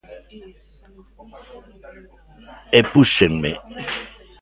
E púxenme.